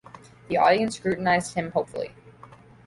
The audience scrutinized him hopefully.